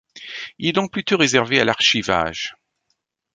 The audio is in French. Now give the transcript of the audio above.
Il est donc plutôt réservé à l'archivage.